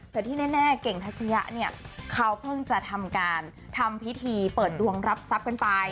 แต่ที่แน่เก่งทัชยะเนี่ยเขาเพิ่งจะทำการทำพิธีเปิดดวงรับทรัพย์กันไป